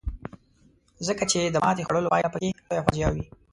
ځکه چې د ماتې خوړلو پایله پکې لویه فاجعه وي.